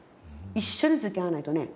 一緒につきあわないとね。